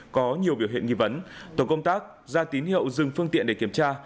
có nhiều biểu hiện nghi vấn tổ công tác ra tín hiệu dừng phương tiện để kiểm tra